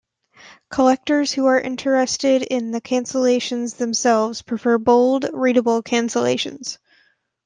Collectors who are interested in the cancellations themselves prefer bold, readable cancellations.